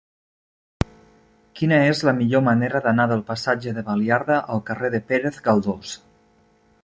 Quina és la millor manera d'anar del passatge de Baliarda al carrer de Pérez Galdós?